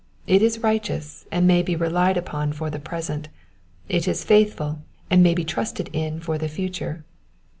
It is righteous, and may be relied upon for the present ; it is faithful, and may be trusted in for the future.